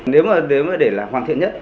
nếu mà để là hoàn thiện nhất